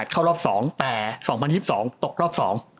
เข้ารอบ๒แต่๒๐๒๒ตกรอบ๒